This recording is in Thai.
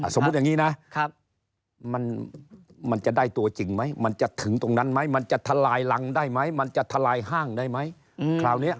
สมมุติอย่างนี้นะมันจะได้ตัวจริงไหมมันจะถึงตรงนั้นไหมมันจะทลายรังได้ไหมมันจะทลายห้างได้ไหมคราวนี้